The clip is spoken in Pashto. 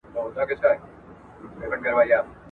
له ځوانانو څخه مي دا غوښتنه ده چي خپل ژوند بېځايه مه تېروئ `